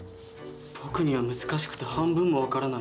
僕には難しくて半分も分からないよ。